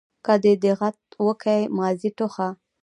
که دي دېغت وکئ ماضي ټوخه.